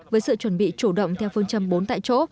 với sự chuẩn bị chủ động theo phương châm bốn tại chỗ